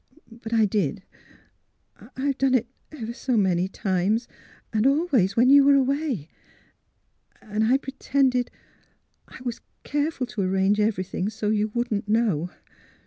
But I did. I've done it — oh, ever so many times, and always when you were away. And I pretended — I was careful to ar range everything — so you wouldn't know."